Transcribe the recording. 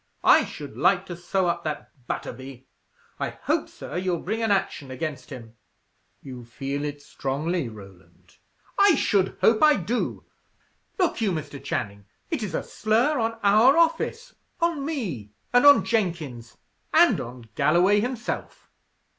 I should like to sew up that Butterby! I hope, sir, you'll bring an action against him." "You feel it strongly, Roland." "I should hope I do! Look you, Mr. Channing: it is a slur on our office; on me, and on Jenkins, and on Galloway himself.